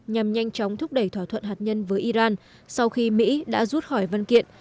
nhằm nhanh chóng thúc đẩy thỏa thuận hạt nhân với iran sau khi mỹ đã rút khỏi văn kiện